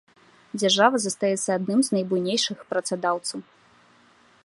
Дзяржава застаецца адным з найбуйнейшых працадаўцаў.